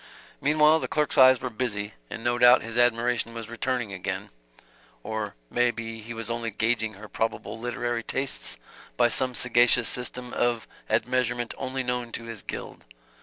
Meantime the clerk's eyes were busy, and no doubt his admiration was returning again or may be he was only gauging her probable literary tastes by some sagacious system of admeasurement only known to his guild.